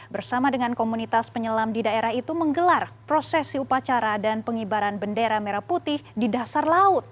bersama dengan komunitas penyelam di daerah itu menggelar prosesi upacara dan pengibaran bendera merah putih di dasar laut